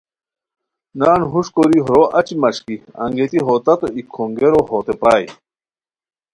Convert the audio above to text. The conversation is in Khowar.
نان ہوݰ کوری ہورو اچی مݰکی انگیتی ہو تتو ای کھونگیرو ہوتے پرائے